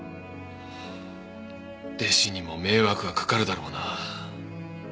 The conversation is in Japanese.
弟子にも迷惑がかかるだろうな。